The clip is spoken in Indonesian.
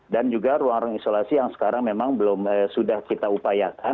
dan juga ruang ruang isolasi yang sekarang memang sudah kita upayakan